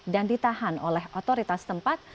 dan ditahan oleh otoritas tempat